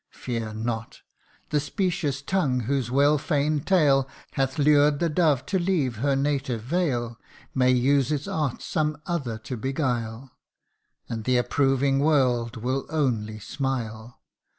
Fear not the specious tongue whose well feign 'd tale Hath lured the dove to leave her native vale, May use its art some other to beguile ; And the approving world will only smile.